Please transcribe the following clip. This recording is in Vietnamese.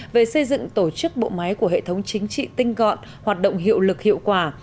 về xây dựng tổ chức bộ máy của hệ thống chính trị tinh gọn hoạt động hiệu lực hiệu quả